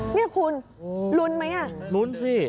นี่คุณลุ้นไหมอ่ะลุ้นสิ